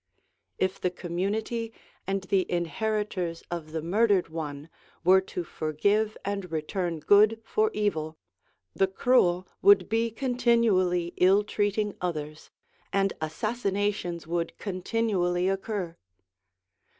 If the community and the inheritors of the murdered one were to forgive and return good for evil, the cruel would be continually ill treating others, and assassinations would continually occur.